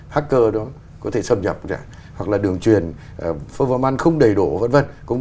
hacker đó có thể xâm nhập